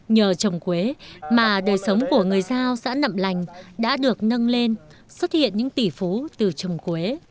nhờ trồng quế mà đời sống của người giao xã nậm lành đã được nâng lên xuất hiện những tỷ phú từ trồng quế